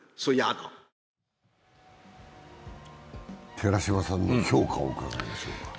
寺島さんに評価を伺いましょうか。